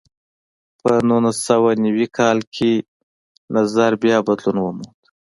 په نولس سوه نوي کال کې نظر بیا بدلون وموند.